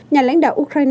nhà lãnh đạo ukraine